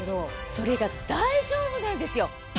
それが大丈夫なんですよ。